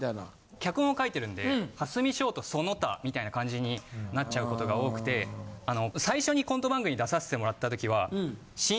脚本を書いてるんで蓮見翔とその他みたいな感じになっちゃうことが多くて最初にコント番組出させてもらったときは。